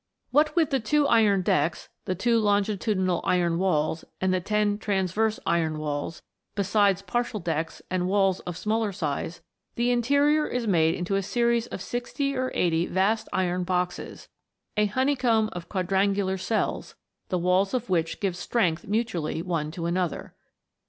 What with the two iron decks, the two longitu dinal iron walls, and the ten transverse iron walls, besides partial decks, and walls of smaller size, the interior is made into a series of sixty or eighty vast iron boxes, a honeycomb of quadranglar cells, the walls of which give strength mutually one to another.